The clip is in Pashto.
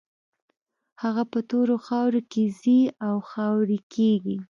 هغه په تورو خاورو کې ځي او خاورې کېږي.